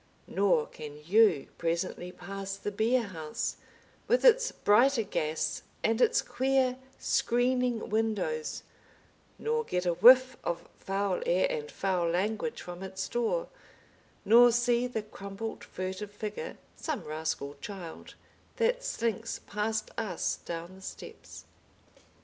Nor can you presently pass the beerhouse with its brighter gas and its queer, screening windows, nor get a whiff of foul air and foul language from its door, nor see the crumpled furtive figure—some rascal child—that slinks past us down the steps.